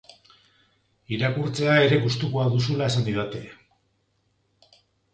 Irakurtzea ere gustuko duzula esan didate.